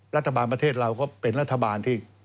ประเทศเราก็เป็นรัฐบาลที่